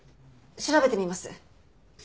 調べてみます。